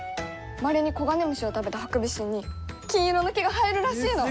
まれにコガネムシを食べたハクビシンに金色の毛が生えるらしいの！